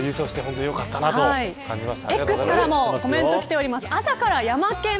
慶応優勝して本当によかったなと感じました。